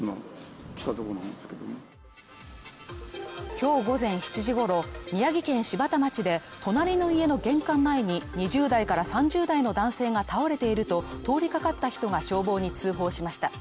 今日午前７時頃、宮城県柴田町で隣の家の玄関前に２０代から３０代の男性が倒れていると通りかかった人が消防に通報しました。